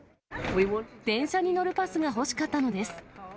電車に乗るパスが欲しかったのです。